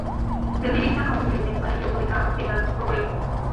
Se utiliza comúnmente para el yugo de carros tirados por bueyes.